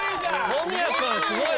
小宮君すごい。